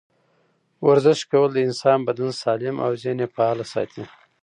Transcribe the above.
ورزش کول د انسان بدن سالم او ذهن یې فعاله ساتي.